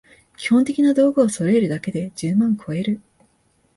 基本的な道具をそろえるだけで十万こえる